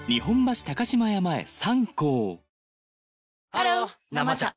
ハロー「生茶」